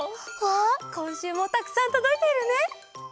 わあこんしゅうもたくさんとどいているね。